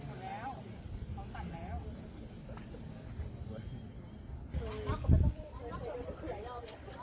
อืมขอบความค่อยค่ะแล้วเขาสั่นแล้ว